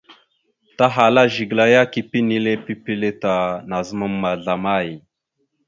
Tahala Zigəla ya, kepé enile pipile ta, nazəmam ma zlamay?